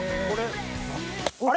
あれ？